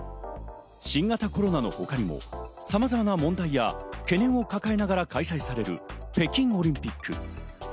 新型コロナのほかにもさまざまな問題や懸念を抱えながら開催される北京オリンピック。